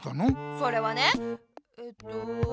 それはねえと。